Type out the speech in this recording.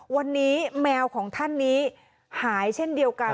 วันนี้แมวของท่านนี้หายเช่นเดียวกัน